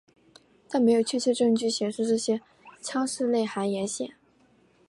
但没有确切证据显示这些腔室内含盐腺。